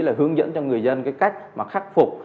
là hướng dẫn cho người dân cái cách mà khắc phục